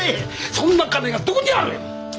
そんな金がどこにある！？